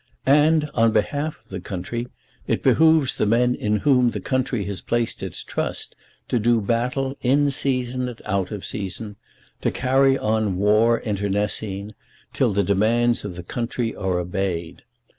And, on behalf of the country, it behoves the men in whom the country has placed its trust to do battle in season and out of season, to carry on war internecine, till the demands of the country are obeyed.